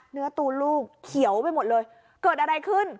เนื้อตูนลูกเขียวไปหมดเลยเกิดอะไรขึ้น